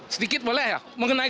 sedikit boleh ya mengenai